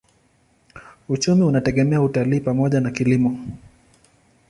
Uchumi unategemea utalii pamoja na kilimo.